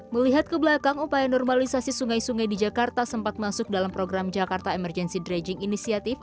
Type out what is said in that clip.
melihat ke belakang upaya normalisasi sungai sungai di jakarta sempat masuk dalam program jakarta emergency dredging initiative